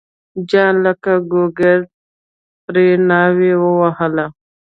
جان لکه ګوګرد پرې ناوی وواهه.